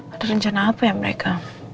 atau rencana apa ya mereka